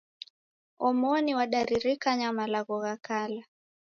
Omoni wadaririkanya malagho gha kala.